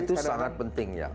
itu sangat penting ya